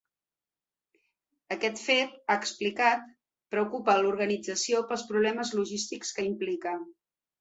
Aquest fet, ha explicat, ‘preocupa’ a l’organització pels problemes logístics que implica.